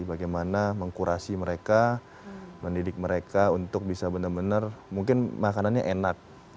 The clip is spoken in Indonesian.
bagaimana mengkurasi mereka mendidik mereka untuk bisa benar benar mungkin makanannya enak